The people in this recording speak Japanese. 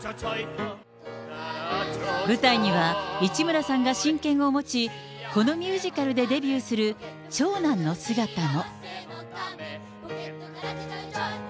舞台には、市村さんが親権を持ち、このミュージカルでデビューする長男の姿も。